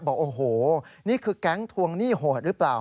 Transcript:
บอกโอ้โหนี่คือแก๊งทวงหนี้โหดหรือเปล่า